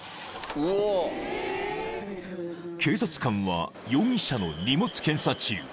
［警察官は容疑者の荷物検査中］